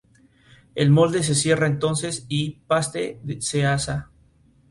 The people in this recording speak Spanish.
El molde se cierra entonces, y el paste se asa.